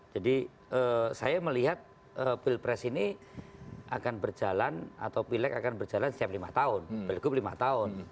jadi saya melihat pilpres ini akan berjalan atau pileg akan berjalan setiap lima tahun berikut lima tahun